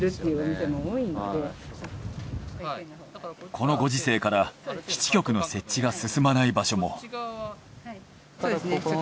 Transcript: このご時世から基地局の設置が進まない場所も。